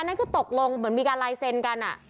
อันนั้นคือตกลงเหมือนมีการไลเซ็นกัน